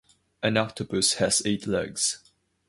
An octopus has eight legs.